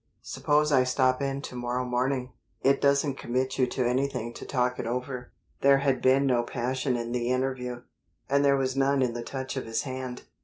Suppose I stop in to morrow morning. It doesn't commit you to anything to talk it over." There had been no passion in the interview, and there was none in the touch of his hand.